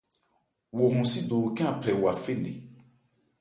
Wo hɔn sídowo khɛ́n a phrɛ wa fé nne.